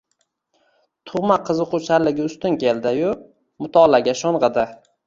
Tug`ma qiziquvchanligi ustun keldi-yu, mutolaaga sho`ng`idi